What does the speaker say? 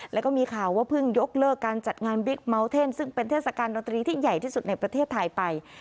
แล้วก็มีข่าวว่าเพิ่งยกเลิกการจัดงานบิ๊กเมาเท่นซึ่งเป็นเทศกาลดนตรีที่ใหญ่ที่สุดในประเทศไทยไป